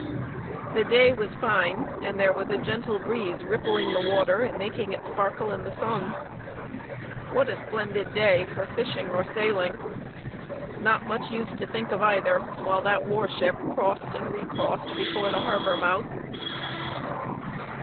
The day was fine, and there was a gentle breeze rippling the water and making it sparkle in the sun. What a splendid day for fishing or sailing! Not much use to think of either while that warship crossed and recrossed before the harbor mouth.